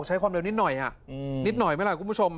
ใช้ความเร็วนิดหน่อยนิดหน่อยไหมล่ะคุณผู้ชม